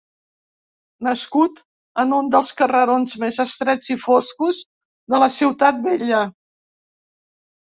Nascut en un dels carrerons més estrets i foscos de la ciutat vella